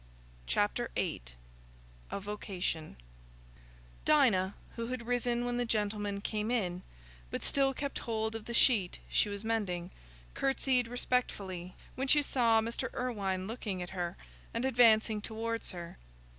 Chapter VIII A Vocation Dinah, who had risen when the gentlemen came in, but still kept hold of the sheet she was mending, curtsied respectfully when she saw Mr. Irwine looking at her and advancing towards her.